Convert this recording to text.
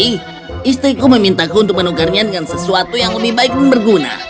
istriku memintaku untuk menukarnya dengan sesuatu yang lebih baik dan berguna